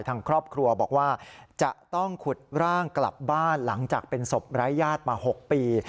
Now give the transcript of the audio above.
ทางครอบครัวบอกว่าจะต้องขุดร่างกลับบ้านหลังจากเป็นศพไร้ญาติมา๖ปี